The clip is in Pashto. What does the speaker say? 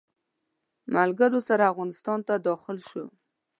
ملګرو سره افغانستان ته داخل شو.